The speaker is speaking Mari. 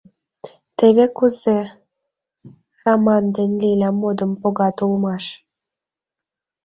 Тевыс кузе Раман ден Лиля модым погат улмаш.